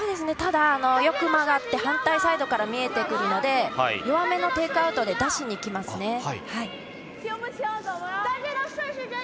ただ、よく曲がって反対サイドから見えてくるので弱めのテイクアウトで出しに来ますね。